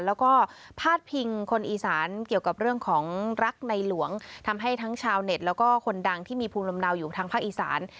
แล้วก็พาดพิงคนอีสานเกี่ยวกับเรื่องของรักในหลวงทำให้ทั้งชาวเน็ตแล้วก็คนดังที่มีภูมิลำเนาอยู่ทางภาคอีสาน